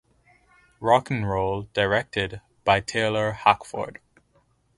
Rock 'N' Roll, directed by Taylor Hackford.